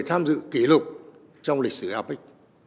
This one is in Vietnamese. tham dự kỷ lục trong lịch sử apec